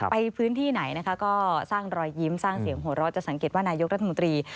ไปพื้นที่ไหนนะคะก็สร้างรอยยิ้มสร้างเสียงหัวเราะจะสังเกตว่านายกรัฐมนตรี